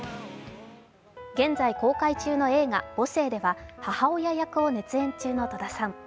現在公開中の映画「母性」では母親役を熱演中の戸田さん。